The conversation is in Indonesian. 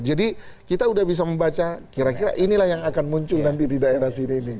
jadi kita sudah bisa membaca kira kira inilah yang akan muncul nanti di daerah sini